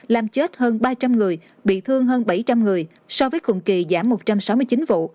làm chết hơn ba trăm linh người bị thương hơn bảy trăm linh người so với cùng kỳ giảm một trăm sáu mươi chín vụ